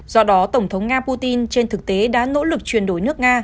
do đó tổng thống nga putin trên thực tế đã nỗ lực chuyển đổi nước nga